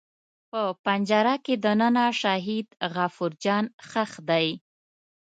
په پنجره کې دننه شهید غفور جان ښخ دی.